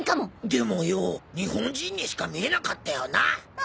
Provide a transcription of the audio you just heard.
でもよ日本人にしか見えなかったよな？